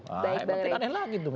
makin aneh lagi tuh